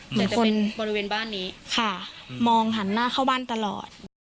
เหมือนคนมองหันหน้าเข้าบ้านตลอด